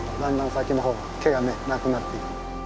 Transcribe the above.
先の方が毛がなくなっていく。